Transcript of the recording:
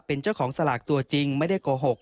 เป็นเจ้าของสลากตัวจริงไม่ได้โกหก